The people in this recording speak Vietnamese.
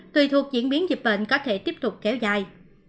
tùy thuộc diễn biến dịch bệnh có thể tiếp tục kéo dài